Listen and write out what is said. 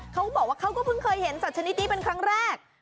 เขาก็บอกว่าเขาก็เพิ่งเคยเห็นสัตวชนิดนี้เป็นครั้งแรก